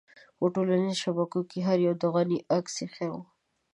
په ټولنيزو شبکو کې هر يوه د غني عکس اېښی وي.